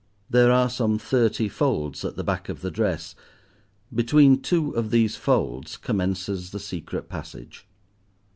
There are some thirty folds at the back of the dress, between two of these folds commences the secret passage.